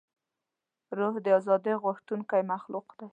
روح د ازادۍ غوښتونکی مخلوق دی.